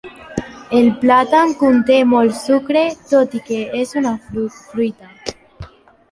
El plàtan conté molt sucre, tot i que és una fruita.